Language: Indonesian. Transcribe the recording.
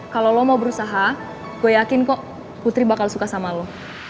kalau lo mau berusaha gue yakin kok putri bakal suka sama lo